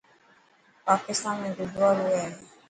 پاڪستان ۾ گڙدواڙو هي.